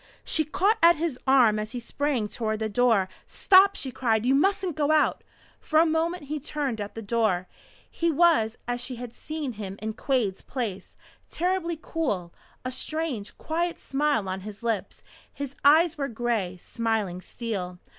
She caught at his arm as he sprang toward the door. "Stop!" she cried. "You mustn't go out " For a moment he turned at the door. He was as she had seen him in Quade's place, terribly cool, a strange, quiet smile on his lips. His eyes were gray, smiling steel.